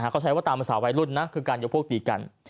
เขาใช้ว่าตามภาษาวัยรุ่นนะคือการยกพวกตีกัน